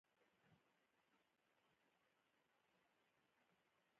دوی به د رېل په مرسته منډلینډ سیمې ته چټک لاسرسی پیدا کاوه.